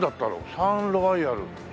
サンロワイヤル。